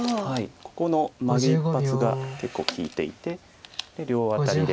ここのマゲ一発が結構利いていて両アタリで。